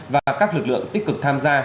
và các lực lượng tích cực tham gia